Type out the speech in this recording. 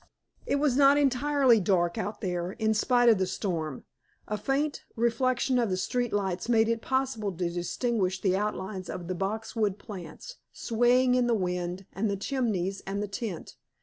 It was not entirely dark out there, in spite of the storm. A faint reflection of the street lights made it possible to distinguish the outlines of the boxwood plants, swaying in the wind, and the chimneys and the tent.